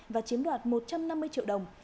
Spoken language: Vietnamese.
và chiếm đoạt một trăm năm mươi triệu đồng